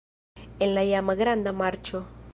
En la iama Granda Marĉo.